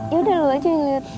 yaudah lo aja yang liat